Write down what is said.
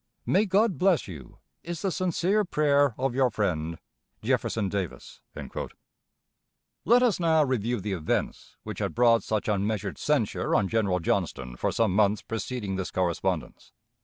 "May God bless you, is the sincere prayer of your friend, "JEFFERSON DAVIS." Let us now review the events which had brought such unmeasured censure on General Johnston for some months preceding this correspondence.